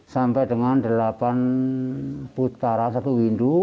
sampai dengan delapan putra satu windu